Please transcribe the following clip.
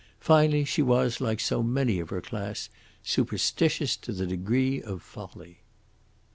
Finally, she was, like so many of her class, superstitious to the degree of folly."